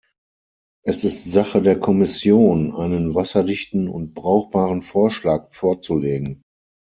Es ist Sache der Kommission, einen wasserdichten und brauchbaren Vorschlag vorzulegen.